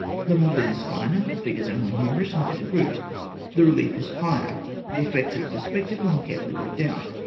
The modelling is finer; the figures are more numerous and better grouped; the relief is higher; the effects of perspective are more carefully worked out.